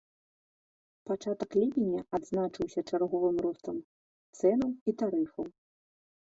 Пачатак ліпеня адзначыўся чарговым ростам цэнаў і тарыфаў.